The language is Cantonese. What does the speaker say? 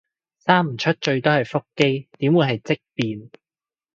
生唔出最多係腹肌，點會係積便